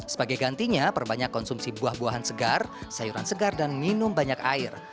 sebagai gantinya perbanyak konsumsi buah buahan segar sayuran segar dan minum banyak air